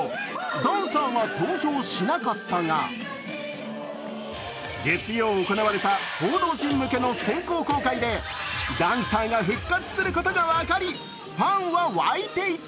ダンサーが登場しなかったが月曜行われた報道陣向けの先行公開でダンサーが復活することが分かりファンは沸いていた。